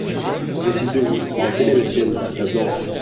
Voici deux jupes. Laquelle est la tienne ? La blanche.